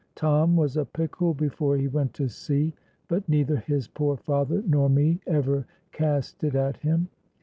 Tom was a pickle before he went to sea, but neither his poor father nor me ever cast it at him.